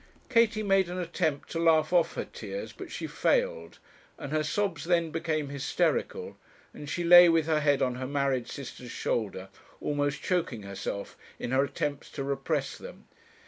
Katie made an attempt to laugh off her tears, but she failed, and her sobs then became hysterical, and she lay with her head on her married sister's shoulder, almost choking herself in her attempts to repress them.